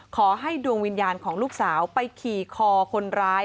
ขอให้ดวงวิญญาณของลูกสาวไปขี่คอคนร้าย